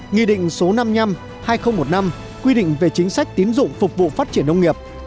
nghị định số năm mươi năm hai nghìn một mươi năm quy định về chính sách tín dụng phục vụ phát triển nông nghiệp